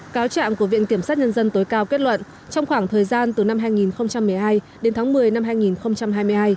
cáo trạng của viện kiểm sát nhân dân tối cao kết luận trong khoảng thời gian từ năm hai nghìn một mươi hai đến tháng một mươi năm hai nghìn hai mươi hai